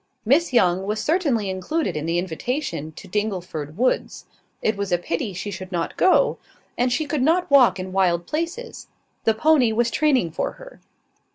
Miss Young was certainly included in the invitation to Dingleford woods: it was a pity she should not go; and she could not walk in wild places: the pony was training for her.